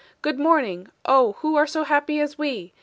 Good morning! Oh, who are so happy as we?"